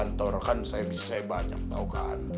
kan kantor kan saya bisa banyak tau kan